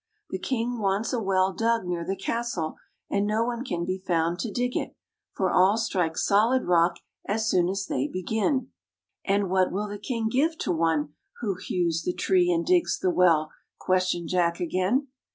The ICing wants a well dug near the castle, and no one can be found to dig it, for all strike solid rock as soon as they begin." " And what will the King give to one who [ 110 ] THE LAD WHO WONDERED hews the tree and digs the well? " questioned Jack again.